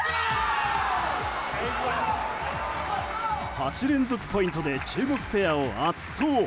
８連続ポイントで中国ペアを圧倒。